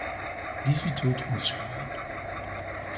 Dix-huit autres ont suivi.